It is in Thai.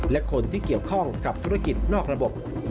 และคนที่เกี่ยวข้องกับธุรกิจนอกระบบ